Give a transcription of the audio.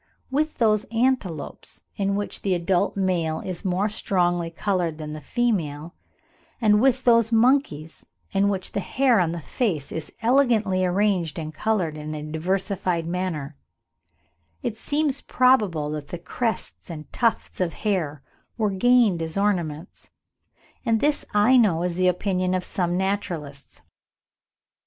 With those antelopes in which the adult male is more strongly coloured than the female, and with those monkeys in which the hair on the face is elegantly arranged and coloured in a diversified manner, it seems probable that the crests and tufts of hair were gained as ornaments; and this I know is the opinion of some naturalists.